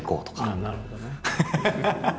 ああなるほどね。